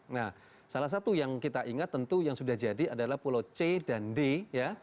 nah salah satu yang kita ingat tentu yang sudah jadi adalah pulau c dan d ya